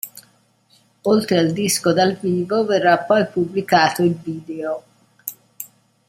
Oltre al disco dal vivo verrà anche poi pubblicato il video.